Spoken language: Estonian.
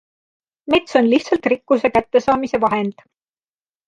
Mets on lihtsalt rikkuse kättesaamise vahend.